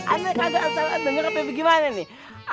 ane kagak salah denger apa gimana nih